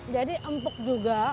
jadi empuk juga